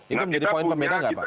itu menjadi poin pembeda nggak pak